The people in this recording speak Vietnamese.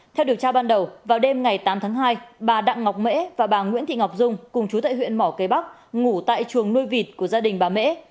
theo điều tra ban đầu vào đêm ngày tám tháng hai bà đặng ngọc mễ và bà nguyễn thị ngọc dung cùng chú tại huyện mỏ cây bắc ngủ tại chuồng nuôi vịt của gia đình bà mễ